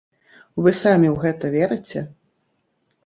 Вы самі ў гэта верыце?